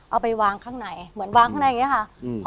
เอาไปวางข้างในเหมือนวางข้างในอย่างนี้ค่ะอืม